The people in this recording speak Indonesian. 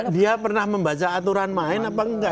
dia pernah membaca aturan main apa enggak